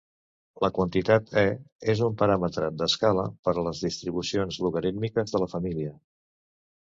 La quantitat "e" és un paràmetre d'escala per a les distribucions logarítmiques de la família.